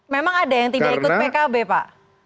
memang ada yang tidak ikut pkb pak